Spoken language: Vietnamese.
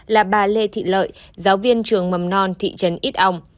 là bà lê thị lợi giáo viên trường mầm non thị trấn ít âu